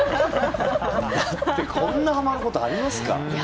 だって、こんなはまることありますか？